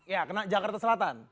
ya kena jakarta selatan